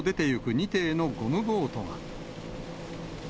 ２艇のゴムボートが。